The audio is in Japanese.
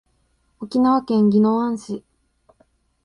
沖縄県宜野湾市